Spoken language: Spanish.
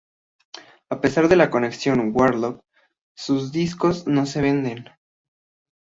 A pesar de la conexión Warhol, sus discos no se venden.